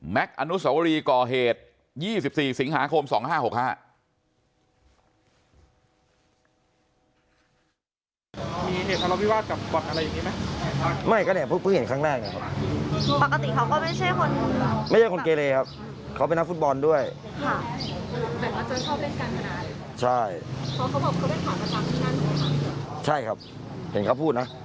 อนุสวรีก่อเหตุ๒๔สิงหาคม๒๕๖๕